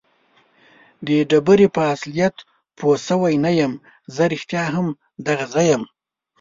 د ډبرې په اصلیت پوه شوی نه یم. زه رښتیا هم دغه زه یم؟